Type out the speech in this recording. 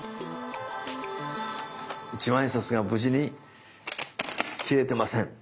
一万円札が無事に切れてません！